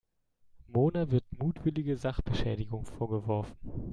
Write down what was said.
Mona wird mutwillige Sachbeschädigung vorgeworfen.